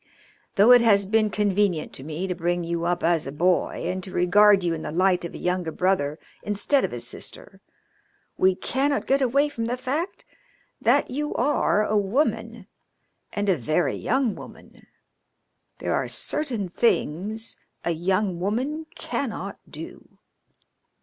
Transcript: Though it has been convenient to me to bring you up as a boy and to regard you in the light of a younger brother instead of a sister, we cannot get away from the fact that you are a woman, and a very young woman. There are certain things a young woman cannot do.